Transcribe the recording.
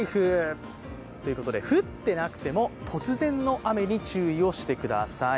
降ってなくても突然の雨に注意をしてください。